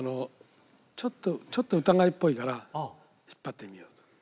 ちょっと疑いっぽいから引っ張ってみようと。